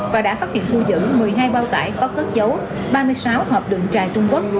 và đã phát hiện thu dựng một mươi hai bao cải có khớt dấu ba mươi sáu hộp đường trài trung quốc